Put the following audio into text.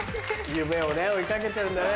夢をね追い掛けてるんだね